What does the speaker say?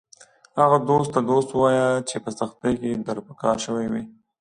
هغه دوست ته دوست ووایه چې په سختۍ کې در په کار شوی و